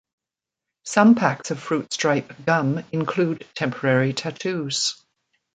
Some packs of Fruit Stripe gum include temporary tattoos.